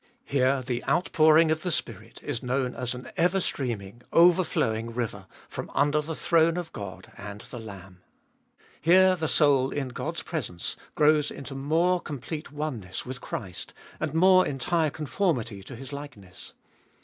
Here the outpouring of the Spirit is known as an ever streaming, overflowing river, from under the throne of God and the Lamb. Here the soul, in God's presence, grows into more complete oneness with Christ, and more entire conformity to His likeness.